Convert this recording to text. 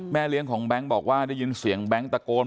เลี้ยงของแบงค์บอกว่าได้ยินเสียงแบงค์ตะโกน